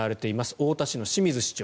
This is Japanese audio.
太田市の清水市長。